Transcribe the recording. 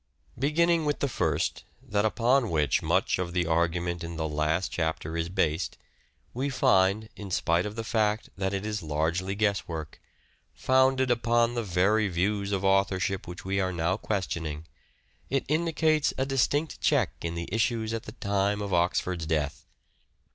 Beginning with the first, that upon which much of the argument in the last chapter is based, we find, in spite of the fact that it is largely guesswork, founded upon the very views of authorship which we are now questioning, it indicates a distinct check in the issues at the time ot Oxford's death.